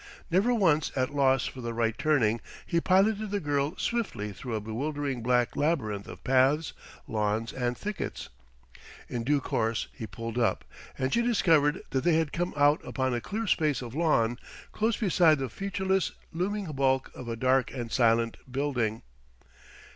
Never once at loss for the right turning, he piloted the girl swiftly through a bewildering black labyrinth of paths, lawns and thickets.... In due course he pulled up, and she discovered that they had come out upon a clear space of lawn, close beside the featureless, looming bulk of a dark and silent building.